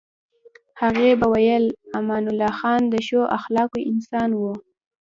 هغې به ویل امان الله خان د ښو اخلاقو انسان و.